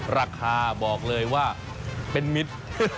ราคาบอกเลยว่าเป็นมิตร